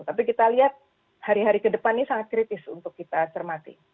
tapi kita lihat hari hari ke depan ini sangat kritis untuk kita cermati